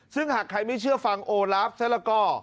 ซึ่งหากใครไม่เชื่อฟังโอลาฟซะละก็